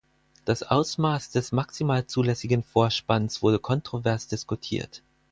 Das Ausmaß des maximal zulässigen Vorspanns wurde kontrovers diskutiert.